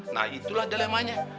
nah itulah dilemanya